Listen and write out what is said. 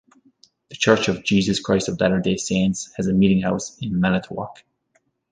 The Church of Jesus Christ of Latter-day Saints has a meetinghouse in Manitowoc.